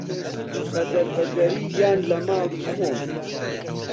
بە دەربەدەری یان لە ماڵی خۆم